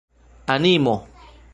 animo